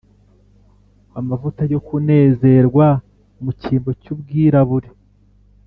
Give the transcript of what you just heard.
amavuta yo kunezerwa mu cyimbo cyubwirabure